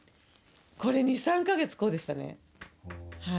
これ、２、３か月こうでしたね。